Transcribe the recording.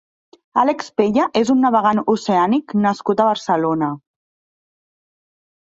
Alex Pella és un navegant oceànic nascut a Barcelona.